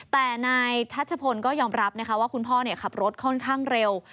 แต่นายทัชพลก็ยอมรับนะคะว่าคุณพ่อขับรถค่อนข้างเร็ว